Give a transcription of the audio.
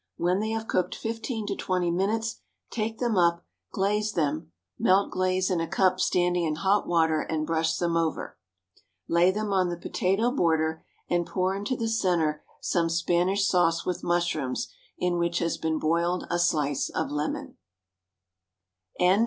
When they have cooked fifteen to twenty minutes, take them up, glaze them (melt glaze in a cup standing in hot water, and brush them over). Lay them on the potato border, and pour into the centre some Spanish sauce with mushrooms in which has been boiled a slice of lemon. XVI.